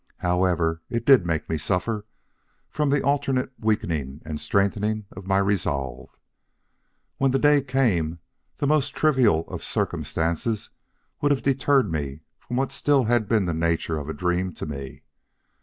However, it did make me suffer, from the alternate weakening and strengthening of my resolve. When the day came, the most trivial of circumstances would have deterred me from what still had the nature of a dream to me.